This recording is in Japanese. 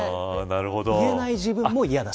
言えない自分も嫌だし。